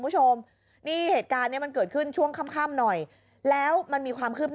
ตอนต่อไป